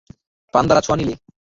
পান্ডার ছোঁয়া নিলে।